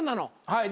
はい。